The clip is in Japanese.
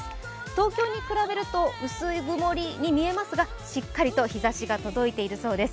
東京に比べると、薄曇りな気がしますが、しっかりと日ざしが届いているそうです。